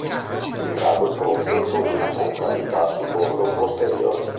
Il trago è corto e con una concavità sul bordo posteriore.